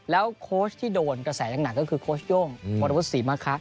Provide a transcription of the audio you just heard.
แล้วโค้ชที่โดนกระแสหนักก็คือโค้ชโย่งบริวัติวศรีมากครับ